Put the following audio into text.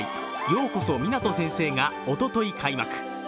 「ようこそ、ミナト先生」がおととい開幕。